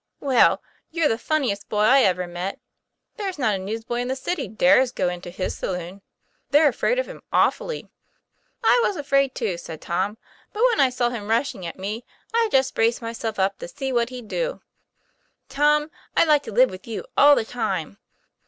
' Well, you're the funniest boy I ever met. There's not a newsboy in the city dares go into his saloon. They're afraid of him awfully." ' I was afraid, too," said Tom. " But when I saw him rushing at me, I just braced myself up to see what he'd do." 'Tom, I'd like to live with you all the time."